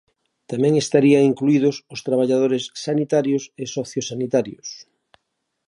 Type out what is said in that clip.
Tamén estarían incluídos os traballadores sanitarios e sociosanitarios.